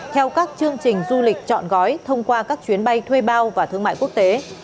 theo các chương trình du lịch chọn gói thông qua các chuyến bay thuê bao và thương mại quốc tế